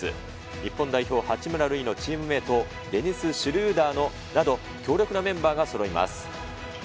日本代表、八村塁のチームメート、デニス・シュルーダーなど強力なメンバーがそろいます。